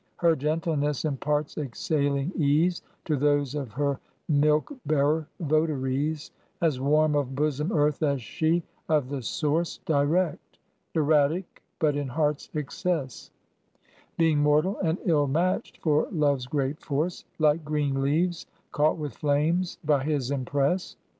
Her gentleness imparts exhaling ease To those of her milk bearer votaries As warm of bosom earth as she; of the source Direct; erratic but in heart's excess; Being mortal and ill matched for Love's great force; Like green leaves caught with flames by his impress.